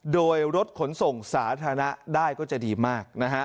โดยรถขนส่งสาธารณะได้ก็จะดีมากนะฮะ